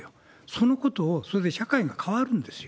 そのことを、それで社会が変わるんですよ。